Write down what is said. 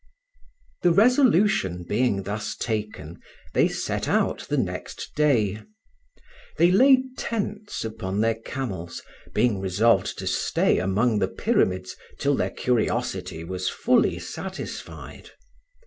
THE resolution being thus taken, they set out the next day. They laid tents upon their camels, being resolved to stay among the Pyramids till their curiosity was fully satisfied.